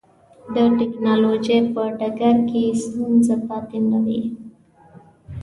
د ټکنالوجۍ په ډګر کې ستونزه پاتې نه وي.